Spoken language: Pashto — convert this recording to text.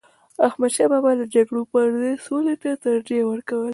احمدشاه بابا د جګړو پر ځای سولي ته ترجیح ورکوله.